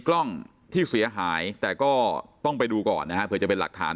กล้องที่เสียหายแต่ก็ต้องไปดูก่อนนะฮะเผื่อจะเป็นหลักฐาน